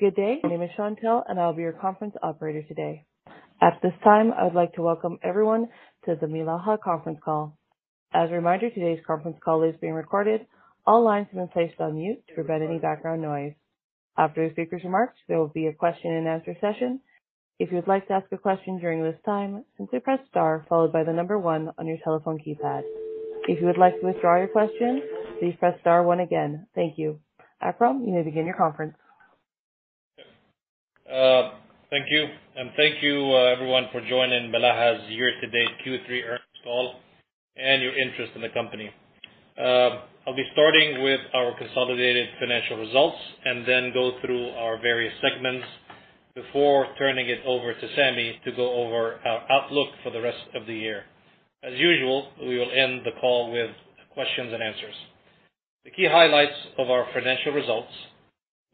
Good day. My name is Chantelle, and I will be your conference operator today. At this time, I would like to welcome everyone to the Milaha Conference Call. As a reminder, today's conference call is being recorded. All lines have been placed on mute to prevent any background noise. After the speaker's remarks, there will be a question and answer session. If you would like to ask a question during this time, simply press star followed by the number one on your telephone keypad. If you would like to withdraw your question, please press star one again. Thank you. Akram, you may begin your conference. Thank you. Thank you, everyone for joining Milaha's year-to-date Q3 earnings call and your interest in the company. I'll be starting with our consolidated financial results and then go through our various segments before turning it over to Sami to go over our outlook for the rest of the year. As usual, we will end the call with questions and answers. The key highlights of our financial results.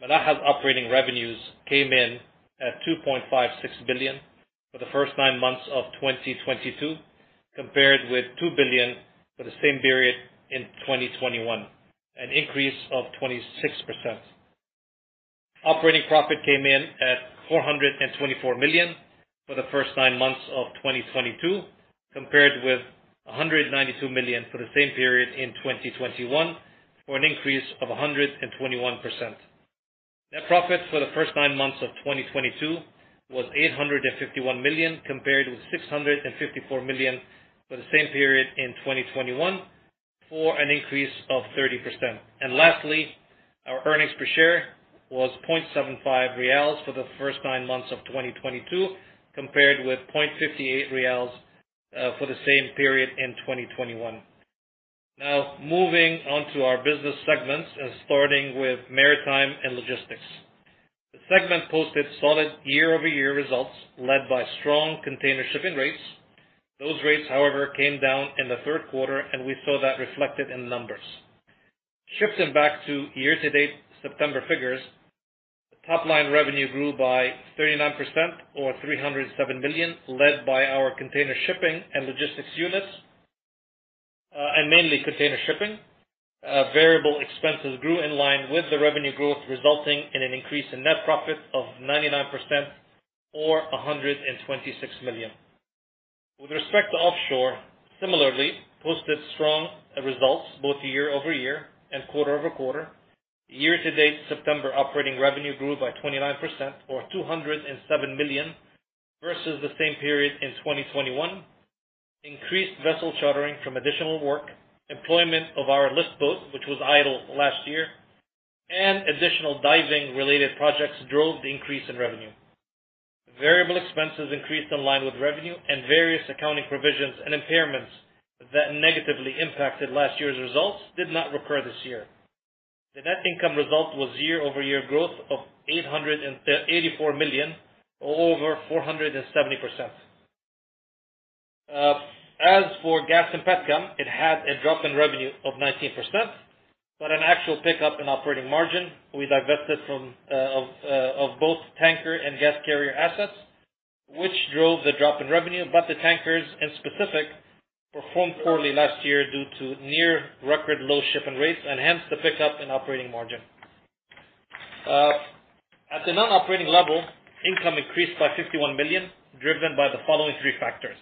Milaha's operating revenues came in at QAR 2.56 billion for the first nine months of 2022, compared with QAR 2 billion for the same period in 2021, an increase of 26%. Operating profit came in at 424 million for the first nine months of 2022, compared with 192 million for the same period in 2021, for an increase of 121%. Net profit for the first nine months of 2022 was 851 million, compared with 654 million for the same period in 2021, for an increase of 30%. Lastly, our earnings per share was 0.75 rials for the first nine months of 2022, compared with 0.58 rials for the same period in 2021. Now, moving on to our business segments and starting with maritime and logistics. The segment posted solid year-over-year results led by strong container shipping rates. Those rates, however, came down in the third quarter, and we saw that reflected in the numbers. Shifting back to year-to-date September figures, top line revenue grew by 39% or 307 million, led by our container shipping and logistics units, and mainly container shipping. Variable expenses grew in line with the revenue growth, resulting in an increase in net profit of 99% or 126 million. With respect to offshore, similarly posted strong results both year-over-year and quarter-over-quarter. Year-to-date, September operating revenue grew by 29% or 207 million versus the same period in 2021. Increased vessel chartering from additional work, employment of our lift boat, which was idle last year, and additional diving-related projects drove the increase in revenue. Variable expenses increased in line with revenue and various accounting provisions and impairments that negatively impacted last year's results did not recur this year. The net income result was year-over-year growth of 884 million or over 470%. As for Gas & Petrochem, it had a drop in revenue of 19%, but an actual pickup in operating margin. We divested from of both tanker and gas carrier assets, which drove the drop in revenue. The tankers in specific performed poorly last year due to near-record low shipping rates and hence the pickup in operating margin. At the non-operating level, income increased by 51 million, driven by the following three factors.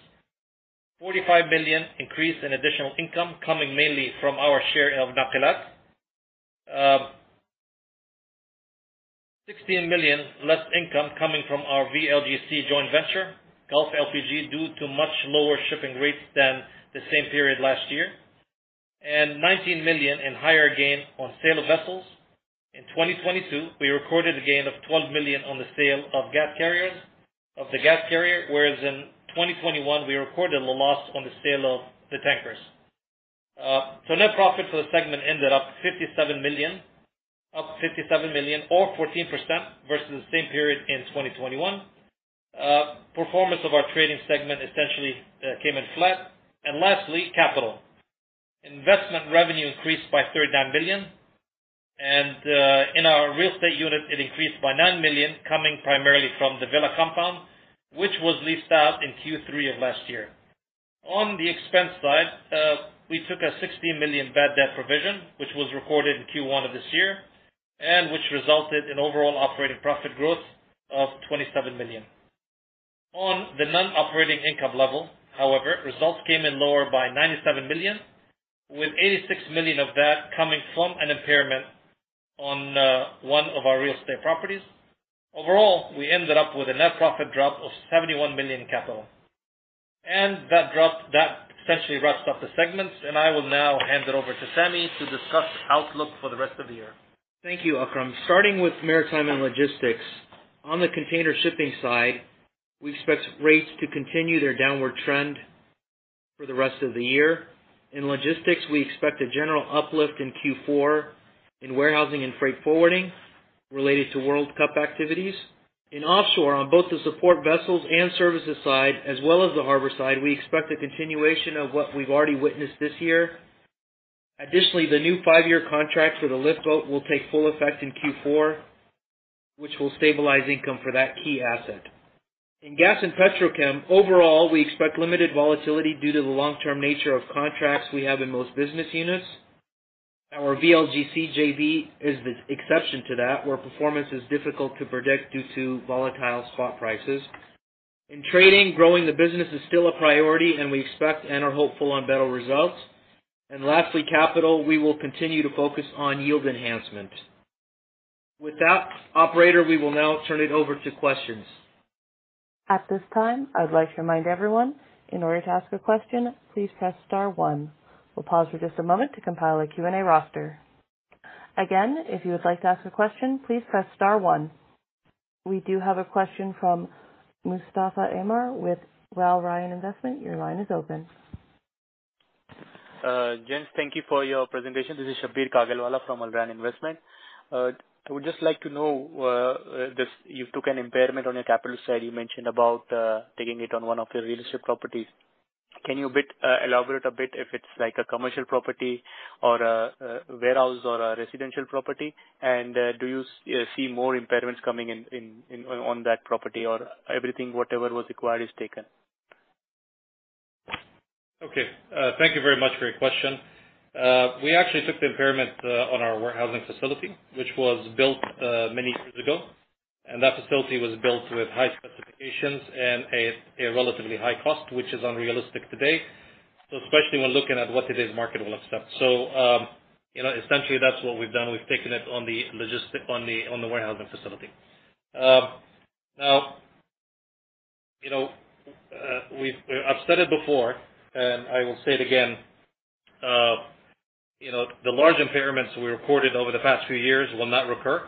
45 million increase in additional income coming mainly from our share of Nakilat. 16 million less income coming from our VLGC joint venture, Gulf LPG, due to much lower shipping rates than the same period last year, and 19 million in higher gain on sale of vessels. In 2022, we recorded a gain of 12 million on the sale of the gas carrier, whereas in 2021 we recorded a loss on the sale of the tankers. Net profit for the segment ended up 57 million, up 57 million or 14% versus the same period in 2021. Performance of our trading segment essentially came in flat. Lastly, capital. Investment revenue increased by 39 million. In our real estate unit, it increased by 9 million, coming primarily from the Villa compound, which was leased out in Q3 of last year. On the expense side, we took a 16 million bad debt provision, which was recorded in Q1 of this year, and which resulted in overall operating profit growth of 27 million. On the non-operating income level, however, results came in lower by 97 million, with 86 million of that coming from an impairment on one of our real estate properties. Overall, we ended up with a net profit drop of 71 million capital. That essentially wraps up the segments. I will now hand it over to Sami to discuss outlook for the rest of the year. Thank you, Akram. Starting with maritime and logistics. On the container shipping side, we expect rates to continue their downward trend for the rest of the year. In logistics, we expect a general uplift in Q4 in warehousing and freight forwarding related to World Cup activities. In offshore, on both the support vessels and services side, as well as the harbor side, we expect a continuation of what we've already witnessed this year. Additionally, the new five-year contract for the lift boat will take full effect in Q4, which will stabilize income for that key asset. In Gas & Petrochem, overall, we expect limited volatility due to the long-term nature of contracts we have in most business units. Our VLGC JV is the exception to that, where performance is difficult to predict due to volatile spot prices. In trading, growing the business is still a priority, and we expect and are hopeful on better results. Lastly, capital, we will continue to focus on yield enhancement. With that, operator, we will now turn it over to questions. At this time, I'd like to remind everyone, in order to ask a question, please press star one. We'll pause for just a moment to compile a Q&A roster. Again, if you would like to ask a question, please press star one. We do have a question from Shabbir Kagalwala with Al Rayan Investment. Your line is open. Gents, thank you for your presentation. This is Shabbir Kagalwala from Al Rayan Investment. I would just like to know you took an impairment on your capital side. You mentioned about taking it on one of your real estate properties. Can you elaborate a bit if it's like a commercial property or a warehouse or a residential property? Do you see more impairments coming in on that property or everything, whatever was acquired, is taken? Okay. Thank you very much for your question. We actually took the impairment on our warehousing facility, which was built many years ago. That facility was built with high specifications and a relatively high cost, which is unrealistic today, especially when looking at what today's market will accept. You know, essentially that's what we've done. We've taken it on the warehousing facility. Now, you know, I've said it before, and I will say it again, you know, the large impairments we recorded over the past few years will not recur.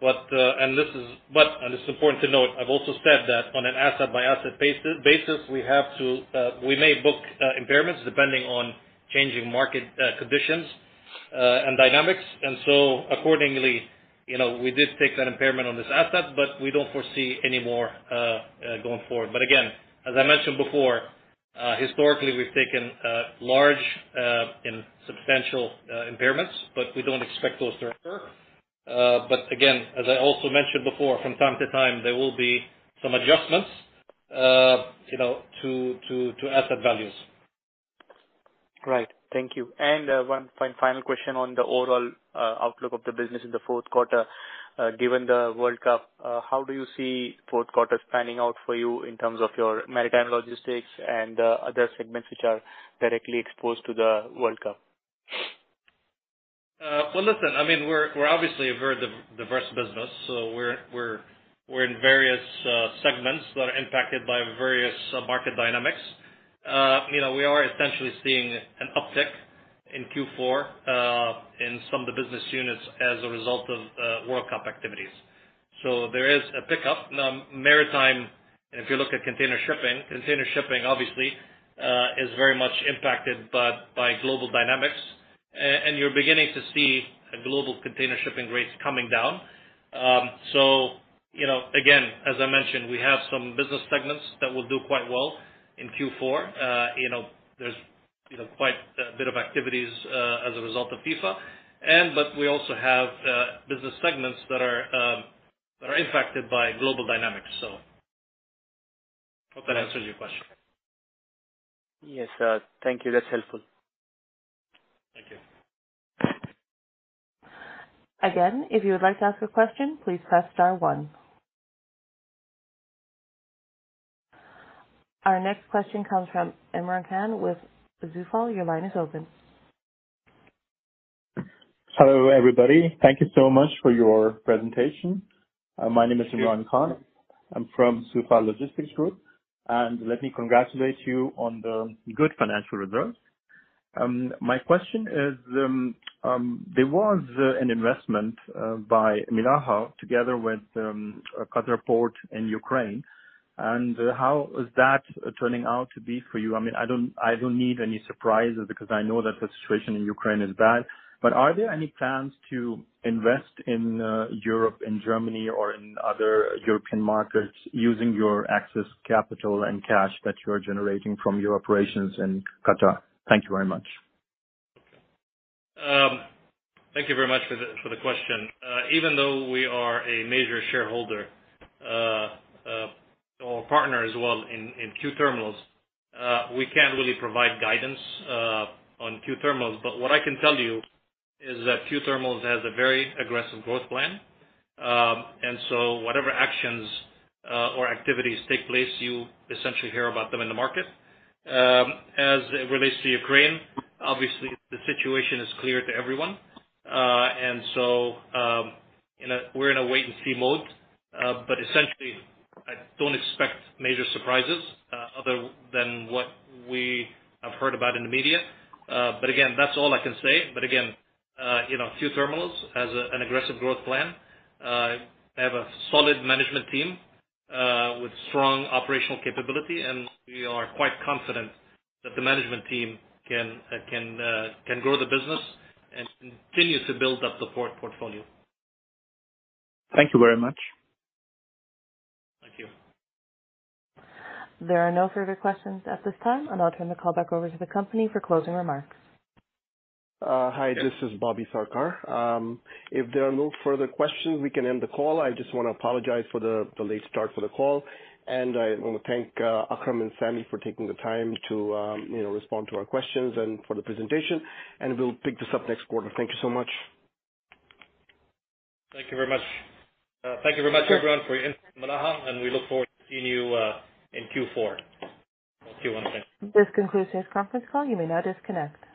It's important to note, I've also said that on an asset by asset basis, we may book impairments depending on changing market conditions and dynamics. Accordingly, you know, we did take that impairment on this asset, but we don't foresee any more going forward. Again, as I mentioned before, historically we've taken large and substantial impairments, but we don't expect those to recur. Again, as I also mentioned before, from time to time, there will be some adjustments, you know, to asset values. Right. Thank you. One final question on the overall outlook of the business in the fourth quarter. Given the World Cup, how do you see fourth quarter panning out for you in terms of your maritime logistics and other segments which are directly exposed to the World Cup? Well, listen, I mean, we're obviously a very diverse business, so we're in various segments that are impacted by various market dynamics. You know, we are essentially seeing an uptick in Q4 in some of the business units as a result of World Cup activities. There is a pickup. Now, maritime, and if you look at container shipping, container shipping obviously is very much impacted by global dynamics. You're beginning to see global container shipping rates coming down. You know, again, as I mentioned, we have some business segments that will do quite well in Q4. You know, there's you know quite a bit of activities as a result of FIFA, but we also have business segments that are impacted by global dynamics. Hope that answers your question. Yes. Thank you. That's helpful. Thank you. Again, if you would like to ask a question, please press star one. Our next question comes from Imran Khan with SAFA. Your line is open. Hello, everybody. Thank you so much for your presentation. My name is Imran Khan. I'm from SAFA Logistics Group, and let me congratulate you on the good financial results. My question is, there was an investment by Milaha together with Qatar Port in Ukraine, and how is that turning out to be for you? I mean, I don't need any surprises because I know that the situation in Ukraine is bad. Are there any plans to invest in Europe, in Germany or in other European markets using your excess capital and cash that you are generating from your operations in Qatar? Thank you very much. Thank you very much for the question. Even though we are a major shareholder or partner as well in QTerminals, we can't really provide guidance on QTerminals. What I can tell you is that QTerminals has a very aggressive growth plan. Whatever actions or activities take place, you essentially hear about them in the market. As it relates to Ukraine, obviously the situation is clear to everyone. We're in a wait and see mode. Essentially, I don't expect major surprises other than what we have heard about in the media. Again, that's all I can say. Again, you know, QTerminals has an aggressive growth plan. They have a solid management team with strong operational capability, and we are quite confident that the management team can grow the business and continue to build up the port portfolio. Thank you very much. Thank you. There are no further questions at this time, and I'll turn the call back over to the company for closing remarks. This is Bobby Sarkar. If there are no further questions, we can end the call. I just wanna apologize for the late start for the call, and I wanna thank Akram and Sami for taking the time to you know respond to our questions and for the presentation, and we'll pick this up next quarter. Thank you so much. Thank you very much. Thank you very much everyone for your interest in Milaha, and we look forward to seeing you in Q4 or Q1 next year. This concludes today's conference call. You may now disconnect.